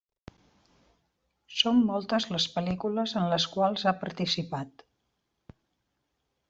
Són moltes les pel·lícules en les quals ha participat.